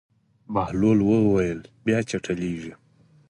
بهلول وویل: بیا چټلېږي.